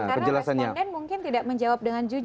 karena responden mungkin tidak menjawab dengan jujur